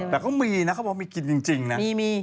แต่เขามีนะเขาบอกมีกินจริงนะ